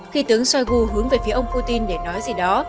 khi tướng shoigu hướng về phía ông putin để nói gì đó